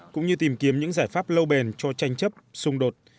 cũng như tìm kiếm những giải pháp lâu bền cho tranh chấp xung đột